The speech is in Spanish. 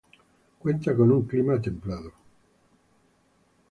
Cuenta con un clima templado.